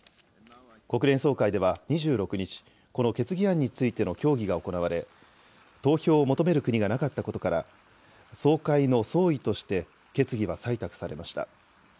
国連総会では２６日、この決議案についての協議が行われ、投票を求める国がなかったことから、総会の総意として決議は採択されました。